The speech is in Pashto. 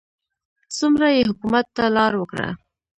څومره یې حکومت ته لار وکړه.